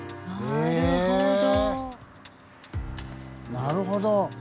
えなるほど。